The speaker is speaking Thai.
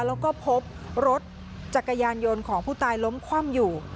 แล้วก็พบรถจักรยานยนต์ของผู้ตายล้มคว่ำอยู่